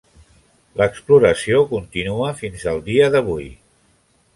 L'exploració continua fins al dia d'avui.